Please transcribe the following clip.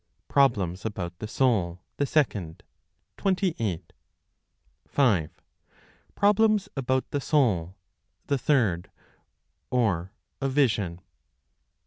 Problems about the Soul, the Second, 28. 5. (Problems about the Soul, the Third, or) Of Vision, 29.